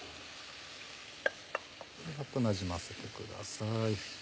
サッとなじませてください。